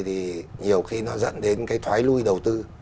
thì nhiều khi nó dẫn đến cái thoái lui đầu tư